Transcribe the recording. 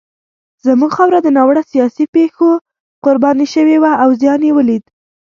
زموږ خاوره د ناوړه سیاسي پېښو قرباني شوې وه او زیان یې ولید.